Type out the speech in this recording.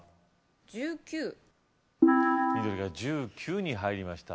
１９緑が１９に入りました